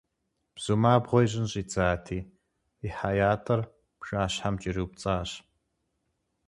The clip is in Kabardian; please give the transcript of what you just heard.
Бзум абгъуэ ищӏын щӏидзати, къихьа ятӏэр бжащхьэм кӏэриупцӏащ.